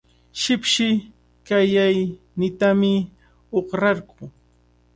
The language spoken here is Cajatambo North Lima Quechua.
Shipshi qillayniitami uqrarquu.